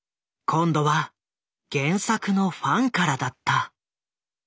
今度は原作のファンからだった。